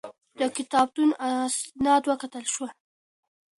د کتابتون اسناد وکتل شول.